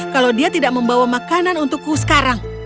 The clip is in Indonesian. kalau dia tidak membawa makanan untukku sekarang